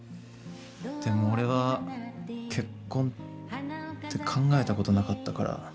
でも俺は結婚って考えたことなかったから。